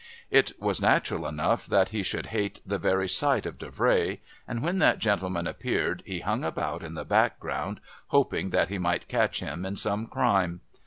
It was natural enough that he should hate the very sight of Davray, and when that gentleman appeared he hung about in the background hoping that he might catch him in some crime.